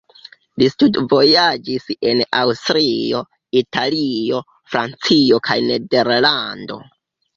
Li studvojaĝis en Aŭstrio, Italio, Francio kaj Nederlando.